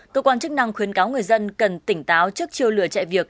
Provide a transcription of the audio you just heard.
tổ quản chức năng khuyến cáo người dân cần tỉnh táo trước chiêu lửa chạy việc